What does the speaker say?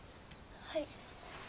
はい。